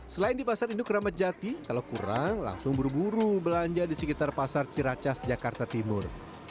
selain di pasar induk ramadjati kalau kurang langsung buru buru belanja di sekitar pasar ciracas jakarta timur